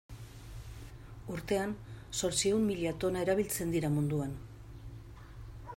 Urtean zortziehun mila tona erabiltzen dira munduan.